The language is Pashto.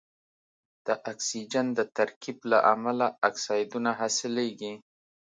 د اکسیجن د ترکیب له امله اکسایدونه حاصلیږي.